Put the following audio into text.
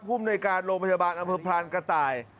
คุมโดยการโรงพยาบาลอัมพพลันธ์กระต่าย